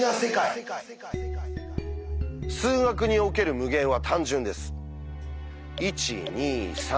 数学における「無限」は単純です。